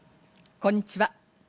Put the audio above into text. こんにちは。